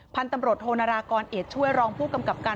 พันธุ์ตำรวจโทนารากรเอดช่วยรองผู้กำกับการ